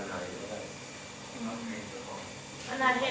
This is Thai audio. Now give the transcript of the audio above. แม่ง๒๐แสงหนึ่งที่น้อง